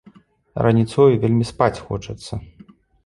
Раніцою вельмі спаць хочацца.